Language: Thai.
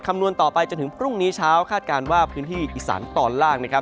คำนวณต่อไปจนถึงพรุ่งนี้เช้าคาดการณ์ว่าพื้นที่อิสรรค์ตอนล่าง